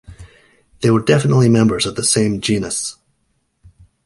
They were definitely members of the same genus.